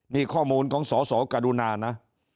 นี่ข้อมูลของสสกรุณานะ